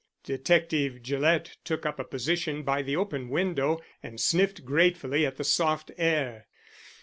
Detective Gillett took up a position by the open window, and sniffed gratefully at the soft air.